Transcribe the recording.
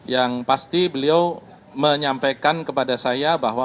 yang pasti beliau menyampaikan kepada saya bahwa